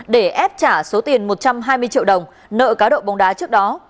để ép trả số tiền một trăm hai mươi triệu đồng nợ cá độ bóng đá trước đó